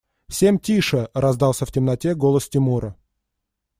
Всем тише! – раздался в темноте голос Тимура.